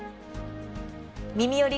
「みみより！